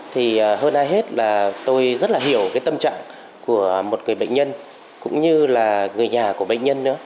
thì hơn ai hết là tôi rất là hiểu cái tâm trạng của một người bệnh nhân cũng như là người nhà của bệnh nhân nữa